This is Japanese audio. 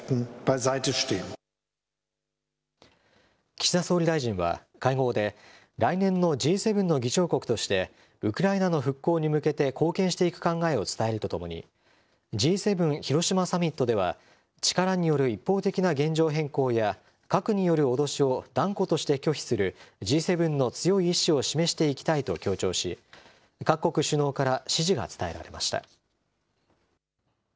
岸田総理大臣は会合で、来年のＧ７の議長国として、ウクライナの復興に向けて貢献していく考えを伝えるとともに、Ｇ７広島サミットでは、力による一方的な現状変更や核による脅しを断固として拒否するＧ７の強い意思を示していきたいと強調し、各国首脳から支持が伝えられました。